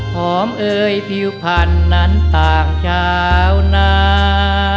หอมเอ่ยผิวพันธุ์นั้นต่างชาวนา